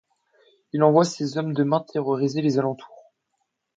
Il envoie ses hommes de main terroriser les alentours.